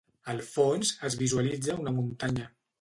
Al fons, es visualitza una muntanya.